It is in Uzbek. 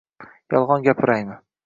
Yolg'on gapiraymi?